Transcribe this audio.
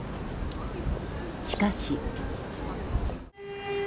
しかし。